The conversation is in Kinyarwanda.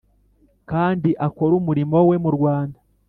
kandi akore umurimo we mu rwanda